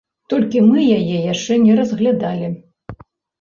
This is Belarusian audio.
Толькі мы яе яшчэ не разглядалі.